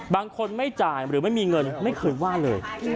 บางคนไม่จ่ายหรือไม่มีเงินไม่เคยว่าเลย